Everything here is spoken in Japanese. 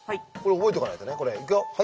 覚えとかないとねこれ。